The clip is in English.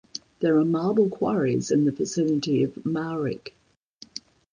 There are marble quarries in the vicinity of Mauriac.